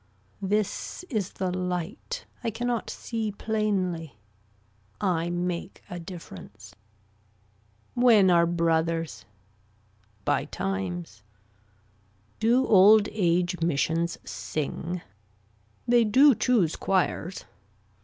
This is the light. I can not see plainly. I make a difference. When are brothers. By times. Do old age missions sing. They do choose choirs.